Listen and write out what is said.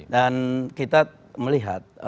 dan kita melihat